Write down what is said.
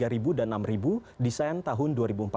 rp tiga dan rp enam desain tahun dua ribu empat belas